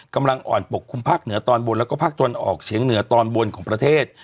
กำลังอ่อนปกคลุมภาคเหนือตอนบนแล้วก็ภาคตะวันออกเฉียงเหนือตอนบนของประเทศ